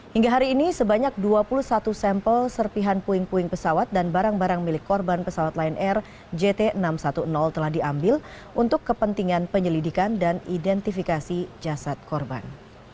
hingga hari ini sebanyak dua puluh satu sampel serpihan puing puing pesawat dan barang barang milik korban pesawat lion air jt enam ratus sepuluh telah diambil untuk kepentingan penyelidikan dan identifikasi jasad korban